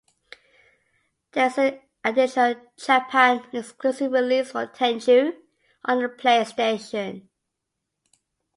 There is an additional Japan-exclusive release for "Tenchu" on the PlayStation.